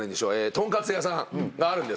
とんかつ屋さんがあるんですけど。